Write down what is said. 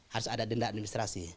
harus ada denda administrasi